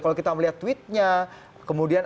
kalau kita melihat tweetnya kemudian